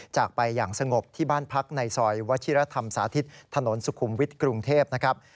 จากไปอย่างสงบที่บ้านพักในซอยวชิรธรรมสาธิตถนนสุขุมวิทย์กรุงเทพนะครับ